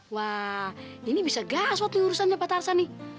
wah dia ini bisa gas buat urusan si patarzan nih